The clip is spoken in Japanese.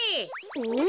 うん？